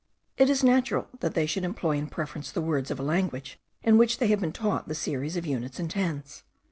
It is natural that they should employ in preference the words of a language in which they have been taught the series of units and tens.